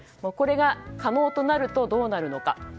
これが可能になるとどうなるのか。